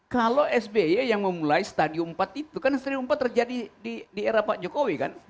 kalau sbi yang memulai stadium empat itu karena stadium empat terjadi di era pak jokowi kan